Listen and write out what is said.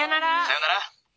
さよなら。